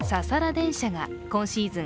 電車が今シーズン